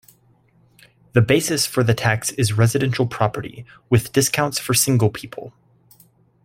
The basis for the tax is residential property, with discounts for single people.